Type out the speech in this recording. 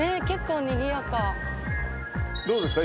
どうですか？